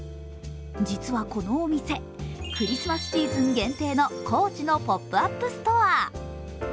実はこのお店、クリスマスシーズン限定のＣＯＡＣＨのポップアップストア。